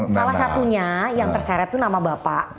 salah satunya yang terseret itu nama bapak